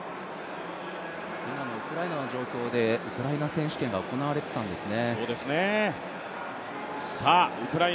今のウクライナの状況でウクライナ選手権が行われていたんですね。